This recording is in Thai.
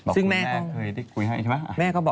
ซึ่งแม่ก็เคยได้คุยให้ใช่ไหม